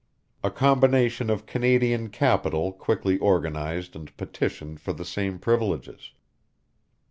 A combination of Canadian capital quickly organized and petitioned for the same privileges.